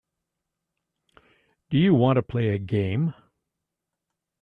Do you want to play a game.